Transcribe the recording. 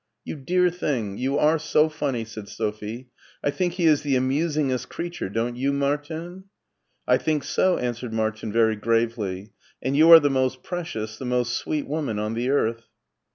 "You dear thing; you are so funny," said Sophie. "I think he is the amusingest creature, don't you, Martin?" " I think So," answered Martin very gravely ;" and you are the most precious, the most sweet woman on the earth.'